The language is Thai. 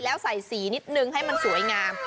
แล้วใส่สีนิดนึงให้มันสวยงาม